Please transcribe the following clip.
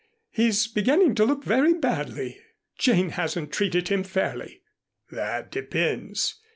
He's beginning to look very badly. Jane hasn't treated him fairly." "That depends.